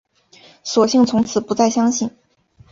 索性从此不再相信